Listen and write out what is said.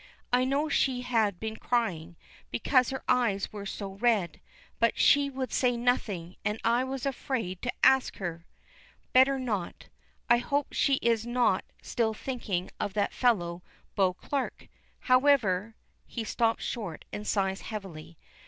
I know she had been crying, because her eyes were so red, but she would say nothing, and I was afraid to ask her." "Better not. I hope she is not still thinking of that fellow Beauclerk. However " he stops short and sighs heavily.